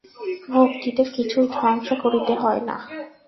ভক্তিতে কিছুই ধ্বংস করিতে হয় না।